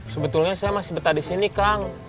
sebetulnya saya masih betah disini kang